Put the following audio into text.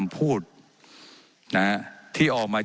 ว่าการกระทรวงบาทไทยนะครับ